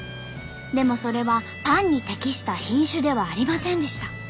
でもそれはパンに適した品種ではありませんでした。